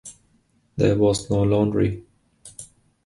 There was no laundry.